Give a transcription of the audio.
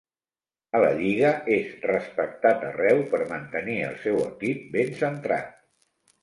A la Lliga es respectat arreu per mantenir el seu equip ben centrat.